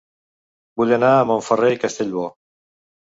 Vull anar a Montferrer i Castellbò